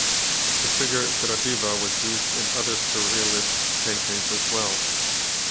The figure Gradiva was used in other Surrealist paintings as well.